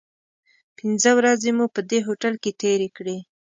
پنځه ورځې مو په دې هوټل کې تیرې کړې.